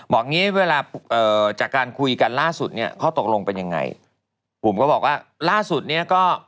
งี้เวลาเอ่อจากการคุยกันล่าสุดเนี่ยข้อตกลงเป็นยังไงบุ๋มก็บอกว่าล่าสุดเนี้ยก็